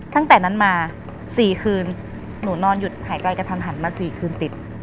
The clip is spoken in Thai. ตั้งแต่นั้นมา๔คืนหนูนอนหยุดหายใจกระทันหันมา๔คืนติด